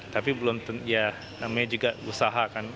tapi belum ya namanya juga usaha kan